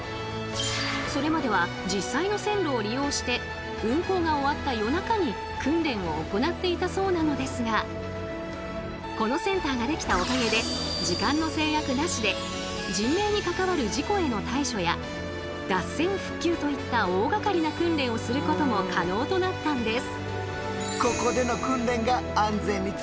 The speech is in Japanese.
それまでは実際の線路を利用して運行が終わった夜中に訓練を行っていたそうなのですがこのセンターが出来たおかげで時間の制約なしで人命に関わる事故への対処や脱線復旧といった大がかりな訓練をすることも可能となったんです。